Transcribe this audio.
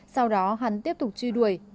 sau đó hắn tiếp tục truy đuổi